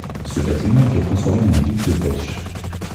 Ce bâtiment a été transformé en gîte de pêche.